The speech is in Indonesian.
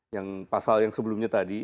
yang pasal yang sebelumnya tadi